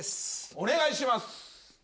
お願いします！